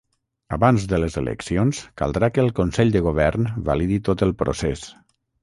Abans de les eleccions caldrà que el consell de govern validi tot el procés.